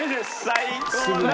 最高だな。